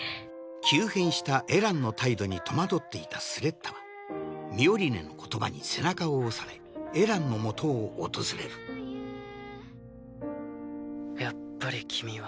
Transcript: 急変したエランの態度に戸惑っていたスレッタはミオリネの言葉に背中を押されエランのもとを訪れるやっぱり君は。